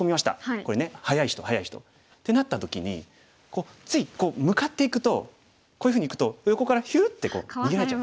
これね速い人速い人。ってなった時にこうつい向かっていくとこういうふうにいくと横からヒュウって逃げられちゃう。